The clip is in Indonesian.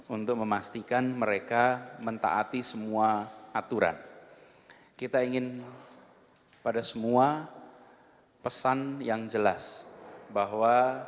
untuk memastikan mereka mentaati semua aturan kita ingin pada semua pesan yang jelas bahwa